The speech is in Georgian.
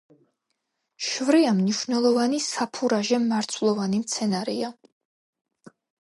შვრია მნიშვნელოვანი საფურაჟე მარცვლოვანი მცენარეა.